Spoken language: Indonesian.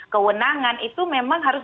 kewenangan itu memang harus